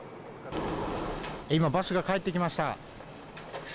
今、バスが帰ってきました。